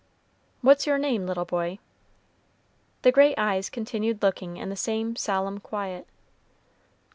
"What's your name, little boy?" The great eyes continued looking in the same solemn quiet.